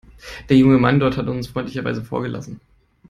Der junge Mann dort hat uns freundlicherweise vorgelassen.